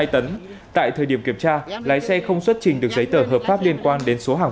hai tấn tại thời điểm kiểm tra lái xe không xuất trình được giấy tờ hợp pháp liên quan đến số hàng